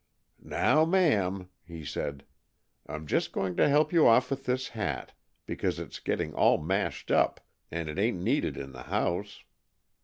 "Now, ma'am," he said, "I'm just going to help you off with this hat, because it's getting all mashed up, and it ain't needed in the house."